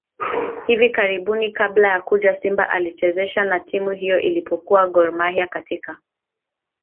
hivi karibuni kabla ya kuja Simba alishacheza na timu hiyo alipokuwa Gor Mahia katika